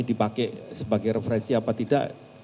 dipakai sebagai referensi apa tidak